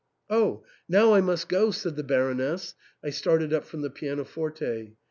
Oh, now I must go," said the Baroness. I started up from the pianoforte.